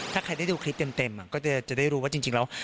ถ้าใครได้ดูคลิปเต็มก็จะได้รู้ว่าจริงแล้ว